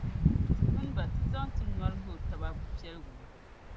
ti mini ba ti zaŋ ti nyɔri yo taba bɔpiɛligu ni.